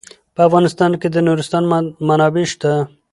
په افغانستان کې د نورستان منابع شته.